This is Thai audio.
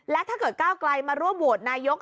และถ้าเก้ากลายมาร่วมโหวตนายก